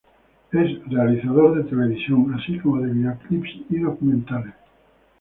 Es realizador de televisión así como de videoclips y documentales.